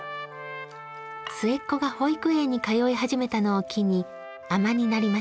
末っ子が保育園に通い始めたのを機に海女になりました。